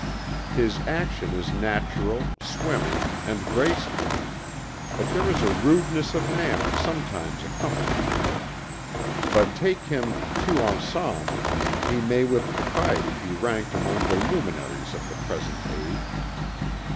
His action is natural, swimming, and graceful, but there is a rudeness of manner sometimes accompanying it. But take him tout en semble, he may with propriety be ranked among the Luminaries of the present age."